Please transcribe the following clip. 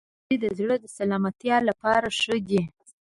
دا سبزی د زړه د سلامتیا لپاره ښه دی.